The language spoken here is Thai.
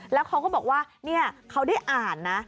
แล้วเขาก็บอกว่าเขาได้อ่านนะ